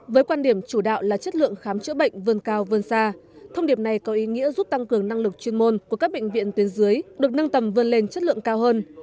với quan điểm chủ đạo là chất lượng khám chữa bệnh vươn cao vươn xa thông điệp này có ý nghĩa giúp tăng cường năng lực chuyên môn của các bệnh viện tuyến dưới được nâng tầm vươn lên chất lượng cao hơn